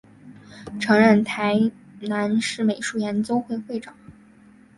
曾任台南市美术研究会会长。